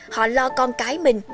họ lo con cái mình